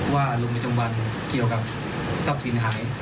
ว่าลงแจ้งบันเกี่ยวกับทรัพย์สินหาย